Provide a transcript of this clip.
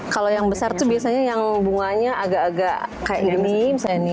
kalau yang besar itu biasanya yang bunganya agak agak kayak gini misalnya nih